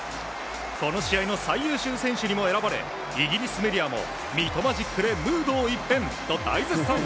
この試合の最優秀選手にも選ばれイギリスメディアもミトマジックでムードを一変と大絶賛。